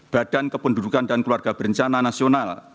badan kependudukan dan keluarga berencana nasional